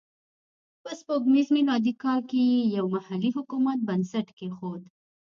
په سپوږمیز میلادي کال کې یې یو محلي حکومت بنسټ کېښود.